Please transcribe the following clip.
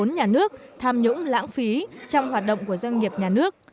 vốn nhà nước tham nhũng lãng phí trong hoạt động của doanh nghiệp nhà nước